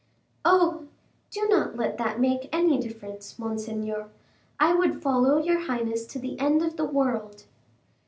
"Oh! do not let that make any difference, monseigneur; I would follow your highness to the end of the world."